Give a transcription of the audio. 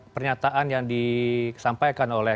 pernyataan yang disampaikan oleh